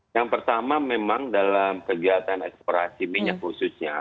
yang pertama memang dalam kegiatan eksplorasi minyak khususnya